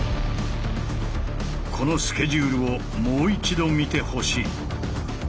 このスケジュールをもう一度見てほしい。